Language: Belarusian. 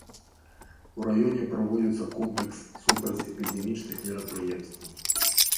У раёне праводзіцца комплекс супрацьэпідэмічных мерапрыемстваў.